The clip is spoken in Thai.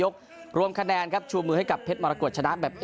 ส่วนกู้เอกครับ